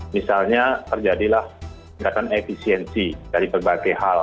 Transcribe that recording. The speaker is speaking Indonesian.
misalnya terjadilah misalkan efisiensi dari berbagai hal